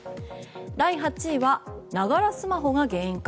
第８位はながらスマホが原因か。